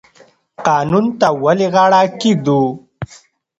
قانون ته ولې غاړه کیږدو؟